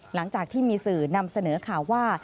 หลังจากที่มีสื่อนำเสนอข่าวว่า